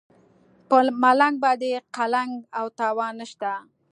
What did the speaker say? په ملنګ باندې قلنګ او تاوان نشته.